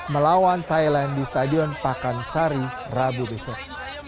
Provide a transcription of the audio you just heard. melawan thailand di stadion pakansari rabu besok